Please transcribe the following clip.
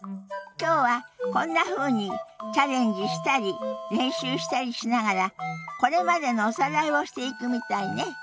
きょうはこんなふうにチャレンジしたり練習したりしながらこれまでのおさらいをしていくみたいね。